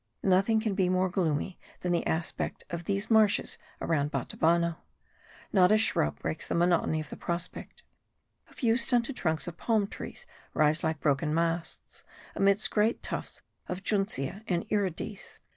Nothing can be more gloomy than the aspect of these marshes around Batabano. Not a shrub breaks the monotony of the prospect: a few stunted trunks of palm trees rise like broken masts, amidst great tufts of Junceae and Irides.